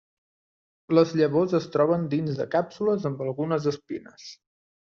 Les llavors es troben dins de càpsules amb algunes espines.